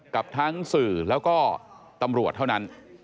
กับทั้งสื่อแล้วก็ตำรวจเท่านั้น